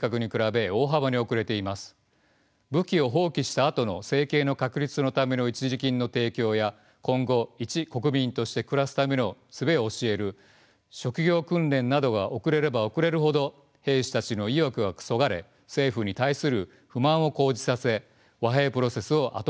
武器を放棄したあとの生計の確立のための一時金の提供や今後一国民として暮らすためのすべを教える職業訓練などが遅れれば遅れるほど兵士たちの意欲はそがれ政府に対する不満を高じさせ和平プロセスを後戻りさせかねません。